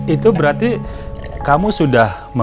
itu berarti kamu sudah